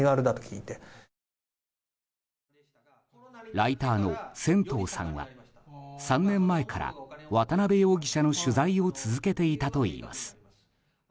ライターの仙頭さんは３年前から渡邊容疑者の取材を続けていたといいます。